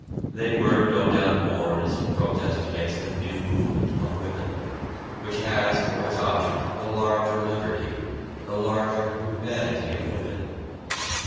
They were no doubt worn as a protest against the new movement among women, which has for its object the larger liberty, the larger humanity of women.